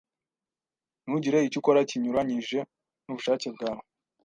Ntugire icyo ukora kinyuranyije nubushake bwawe.